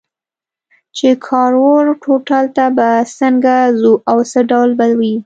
چې کاوور هوټل ته به څنګه ځو او څه ډول به وي.